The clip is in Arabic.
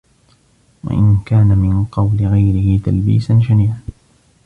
وَإِنْ كَانَ مِنْ قَوْلِ غَيْرِهِ تَلْبِيسًا شَنِيعًا